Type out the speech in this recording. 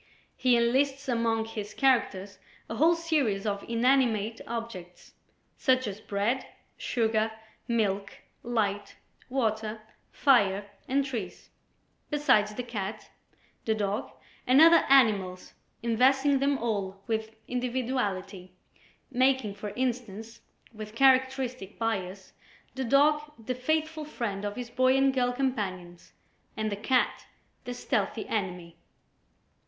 He enlists among his characters a whole series of inanimate objects, such as Bread, Sugar, Milk, Light, Water, Fire and Trees, besides the Cat, the Dog and other animals, investing them all with individuality, making for instance, with characteristic bias, the Dog the faithful friend of his boy and girl companions and the Cat their stealthy enemy.